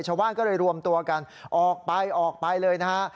ชาวบ้านก็เลยรวมตัวกันออกไปออกไปเลยนะฮะ